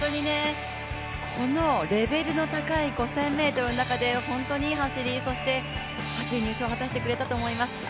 このレベルの高い５０００ｍの中で本当にいい走り、そして８位入賞を果たしてくれたと思います。